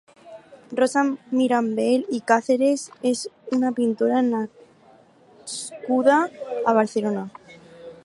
Rosa Mirambell i Càceres és una pintora nascuda a Barcelona.